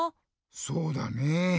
そうだねぇ。